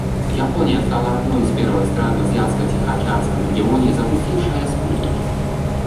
Япония стала одной из первых стран в Азиатско-Тихоокеанском регионе, запустивших спутники.